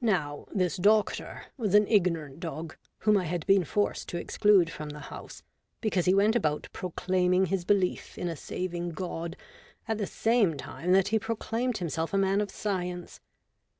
Now, this doctor was an ignorant dog, whom I had been forced to exclude from the house, because he went about proclaiming his belief in a saving God, at the same time that he proclaimed himself a man of science.